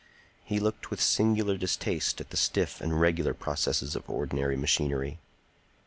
He looked with singular distaste at the stiff and regular processes of ordinary machinery.